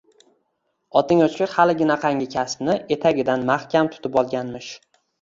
Oting o`chgur haliginaqangi kasbni etagidan mahkam tutib olganmish